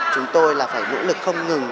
chúng tôi là phải nỗ lực không ngừng